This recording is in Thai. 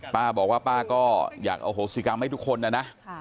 ป้าบอกว่าป้าก็อยากอโหสิกรรมให้ทุกคนนะนะ